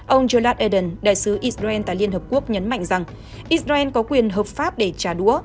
ông jolas edden đại sứ israel tại liên hợp quốc nhấn mạnh rằng israel có quyền hợp pháp để trả đũa